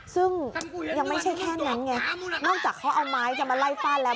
ซึ่งยังไม่ใช่แค่นั้นไงนอกจากเขาเอาไม้จะมาไล่ฟาดแล้ว